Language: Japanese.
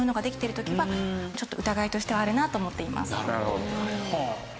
なるほど。